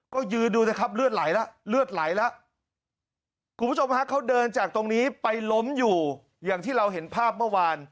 ก็ยืนดูแต่ครับเลือดไหลละ